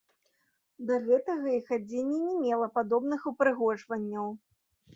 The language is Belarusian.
Да гэтага іх адзенне не мела падобных упрыгожванняў.